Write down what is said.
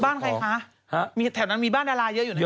บ้านใครคะมีแถวนั้นมีบ้านดาราเยอะอยู่ในค